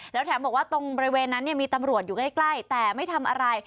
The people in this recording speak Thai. แล้วแถมบอกว่าตรงบริเวณนั้นมีตำรวจอยู่ใกล้แต่ไม่ทำอะไร